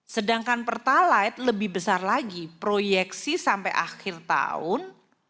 sedangkan pertalite lebih besar lagi proyeksi sampai akhir tahun